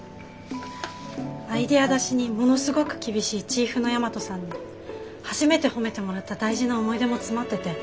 アイデア出しにものすごく厳しいチーフの大和さんに初めて褒めてもらった大事な思い出も詰まってて。